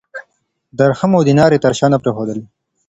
درهم او دینار یې تر شا نه پرېښودل.